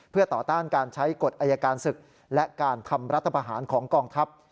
เพื่อต่อต้านการใช้กฎอายการศึกและการทำรัฐประหารของกองทัพ